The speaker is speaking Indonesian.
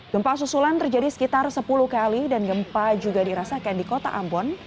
gempa susulan terjadi sekitar sepuluh kali dan gempa juga dirasakan di kota ambon